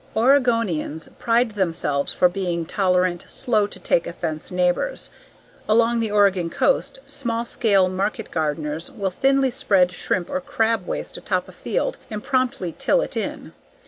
Oregonians pride themselves for being tolerant, slow to take offense neighbors. Along the Oregon coast, small scale market gardeners will thinly spread shrimp or crab waste atop a field and promptly till it in.